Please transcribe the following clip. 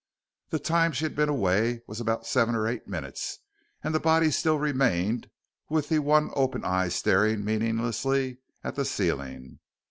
The time she had been away was about seven or eight minutes, and the body still remained with the one open eye staring meaninglessly at the ceiling.